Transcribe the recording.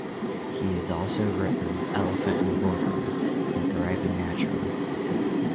He has also written "Elephant in the Boardroom" and "Thriving Naturally".